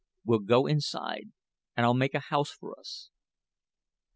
We'll go inside, and I'll make a house for us."